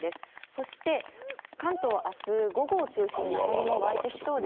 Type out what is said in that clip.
そして関東、あす午後を中心に、雨雲湧いてきそうですね。